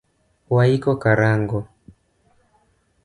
Waiko karango